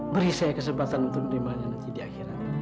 beri saya kesempatan untuk menerimanya nanti di akhirat